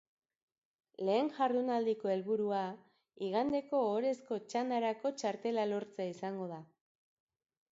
Lehen jardunaldiko helburua igandeko ohorezko txandarako txartela lortzea izango da.